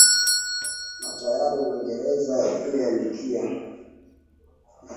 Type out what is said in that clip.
na tayari uingereza imeandikia